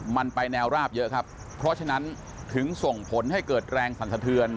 มันไปแนวราบเยอะครับเพราะฉะนั้นถึงส่งผลให้เกิดแรงสั่นสะเทือน